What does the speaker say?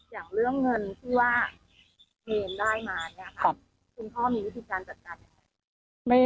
อย่างเรื่องเงินที่ว่าเนรได้มาเนี่ยค่ะคุณพ่อมีวิธีการจัดการยังไง